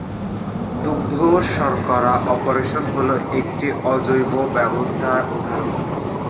দুগ্ধশর্করা অপেরন হল একটি অজৈব ব্যবস্থার উদাহরণ।